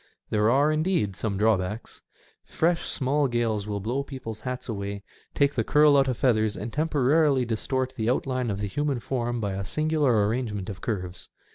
There are, indeed, some drawbacks. Fresh, small gales will blow people's hats away, take the curl out of feathers, and temporarily distort the outline of the human form by a singular arrangement of curves.